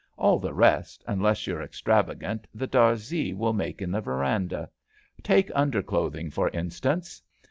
All the rest, unless you're extrava gant, the dharzee can make in the verandah. Take underclothing, for instance."